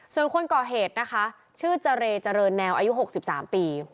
ส่วนคนก่อเหตุนะคะชื่อเจรเจริญแนวอายุ๖๓ปี